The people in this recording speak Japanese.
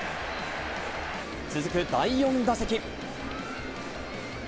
続く第４打席。